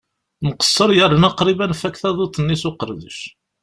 Nqesser yerna qrib ad nfakk taduṭ-nni s uqerdec.